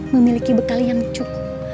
memiliki bekal yang cukup